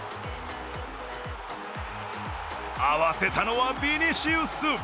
合わせたのはヴィニシウス。